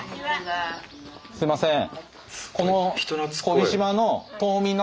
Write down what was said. すいません。